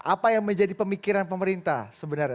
apa yang menjadi pemikiran pemerintah sebenarnya